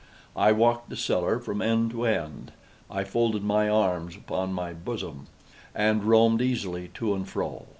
I walked the cellar from end to end. I folded my arms upon my bosom, and roamed easily to and fro.